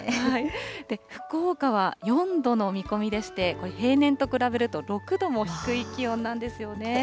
福岡は４度の見込みでして、平年と比べると６度も低い気温なんですよね。